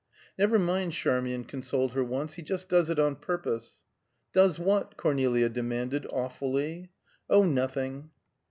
"Never mind," Charmian consoled her once, "he just does it on purpose." "Does what?" Cornelia demanded awfully. "Oh, nothing!"